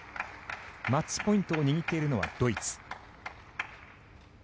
マッチポイントを握っているのはドイツ。